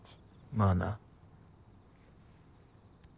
まあな。